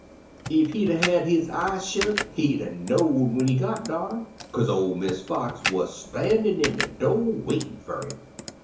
Ef he'd *a' had his eyes shet, he'd 'a* knoVd when he got dar, kaze ol' Miss Fox wuz stan'in' in de do' waitin' fer 'im.